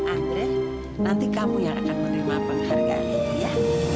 andre nanti kamu yang akan menerima penghargaan ya